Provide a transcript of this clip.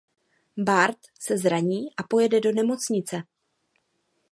Bart se zraní a pojede do nemocnice.